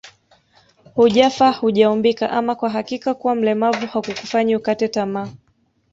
Hujafa hujaumbika ama kwa hakika kuwa mlemavu hakukufanyi ukate tamaa